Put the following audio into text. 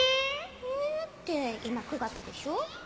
「ええ」って今９月でしょ？